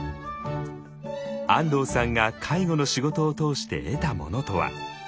安藤さんが介護の仕事を通して得たものとは？